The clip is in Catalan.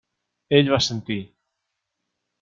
Ell va assentir.